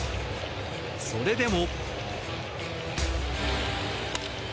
それでも。